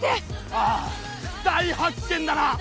ああ大発見だな！